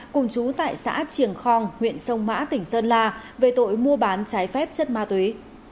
cùng chú tại xã triềng khong huyện sông mã tỉnh sơn la về tội mua bán trái phép chất ma túy